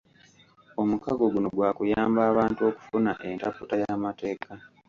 Omukago guno gwa kuyamba abantu okufuna entaputa y’amateeka